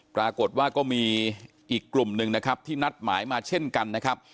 ปรากฏว่าก็มีอีกกลุ่มหนึ่งนะครับที่นัดหมายมาเช่นกันนะครับ